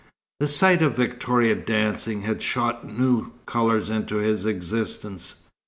The sight of Victoria dancing, had shot new colours into his existence.